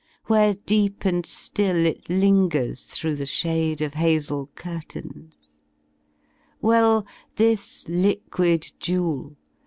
Where deep and Rill it lingers through the shade Of hazel curtains: Well, this liquid jewel.